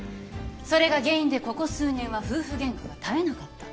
それが原因でここ数年は夫婦ゲンカが絶えなかった。